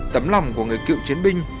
tấm lòng của người cựu chiến binh